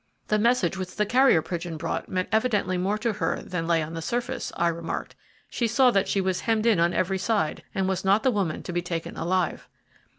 "The message which the carrier pigeon brought meant evidently more to her than lay on the surface," I remarked. "She saw that she was hemmed in on every side, and was not the woman to be taken alive."